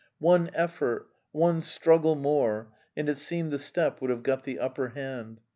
One effort, one struggle more, and it seemed the steppe would have got the upper hand.